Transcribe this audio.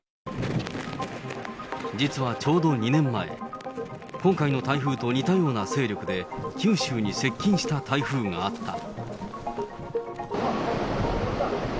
実はちょうど２年前、今回の台風と似たような勢力で九州に接近した台風があった。